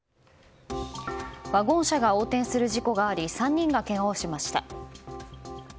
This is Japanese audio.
ワゴン車が横転する事故があり３人がけがをしました。